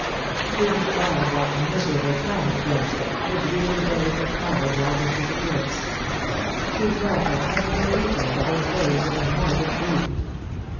She recalled that miserable time at Branscomb, the dreary days that followed Walter's disappearance. She dwelt on every detail of those days with a morbid grief.